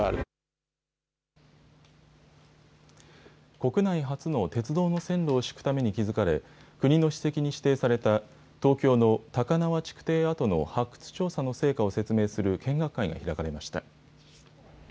国内初の鉄道の線路を敷くために築かれ、国の史跡に指定された東京の高輪築堤跡の発掘調査の成果を説明する見学会が開かれました。